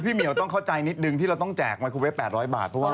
พี่เหมียวต้องเข้าใจนิดนึงที่เราต้องแจกไมโครเวท๘๐๐บาท